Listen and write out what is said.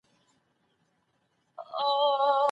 شيطان انسان د غم او خوښۍ پر مهال څنګه تېرباسي؟